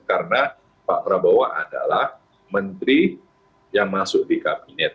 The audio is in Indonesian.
karena pak prabowo adalah menteri yang masuk di kabinet